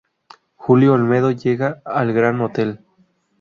Julio Olmedo llega al Gran Hotel.